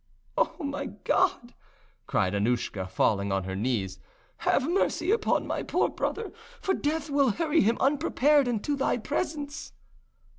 "Oh, my God!" cried Annouschka, falling on her knees, "have mercy upon my poor brother, for death will hurry him unprepared into Thy presence."